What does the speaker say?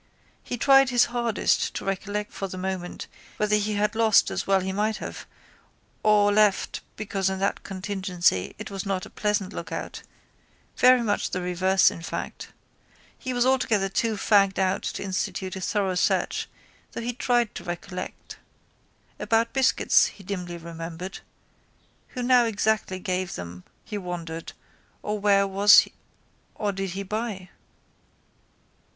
He tried his hardest to recollect for the moment whether he had lost as well he might have or left because in that contingency it was not a pleasant lookout, very much the reverse in fact. He was altogether too fagged out to institute a thorough search though he tried to recollect. About biscuits he dimly remembered. Who now exactly gave them he wondered or where was or did he buy.